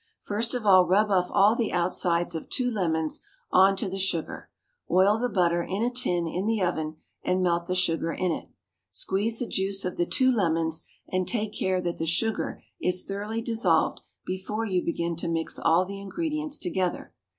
First of all rub off all the outsides of two lemons on to the sugar; oil the butter in a tin in the oven and melt the sugar in it; squeeze the juice of the two lemons, and take care that the sugar is thoroughly dissolved before you begin to mix all the ingredients together.